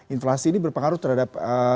inflasi ini berpengaruh terhadap